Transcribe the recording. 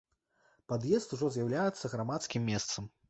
Пад'езд ужо з'яўляецца грамадскім месцам.